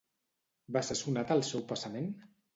Va ser sonat el seu passament?